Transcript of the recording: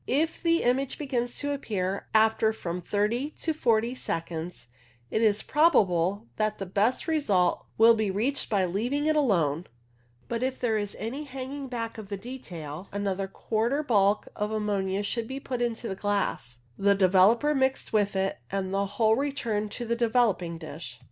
If the image begins to appear after from thirty to forty seconds it is probable that the best result will be reached by leaving it alone, but if there is any hanging back of the detail another quarter bulk of ammonia should be put into the glass, the developer mixed with it, and the whole returned to the developing dish.